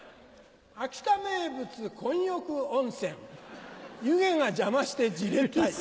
秋田名物混浴温泉湯気が邪魔してじれったい。